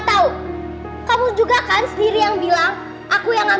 sampai jumpa di video selanjutnya